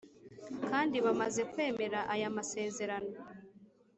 kandi bamaze kwemera aya masezerano